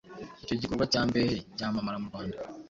icyo gikorwa cya Mbehe cyamamara mu Rwanda